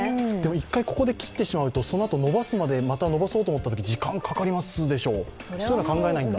一回ここで切ってしまうとそのあと伸ばすとき、伸ばそうと思ったときに時間かかりますでしょ。